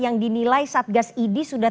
yang dinilai satgas idi sudah